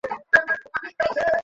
নিসার আলি সাত শ ভেড়া গুনলেন।